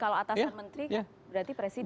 kalau atasan menteri berarti presiden